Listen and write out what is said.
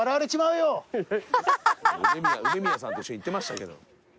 梅宮さんと一緒に行ってましたけど。